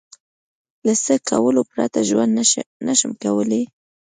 له څه کولو پرته ژوند نشم کولای؟